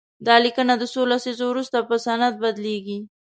دا لیکنه د څو لسیزو وروسته په سند بدليږي.